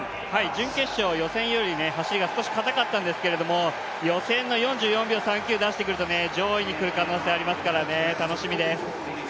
準決勝、予選よりも少し走りが硬かったんですけど、予選の４４秒３９出してくると上位にくる可能性ありますから楽しみです。